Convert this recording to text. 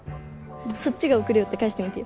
そっちが送れよって返してみてよ。